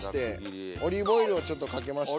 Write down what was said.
オリーブオイルをちょっとかけまして。